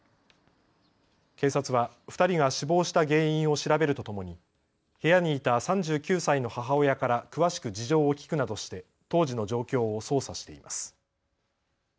警察は２人が死亡した原因を調べるとともに部屋にいた３９歳の母親から詳しく事情を聞くなどして当時の状況を捜査しています。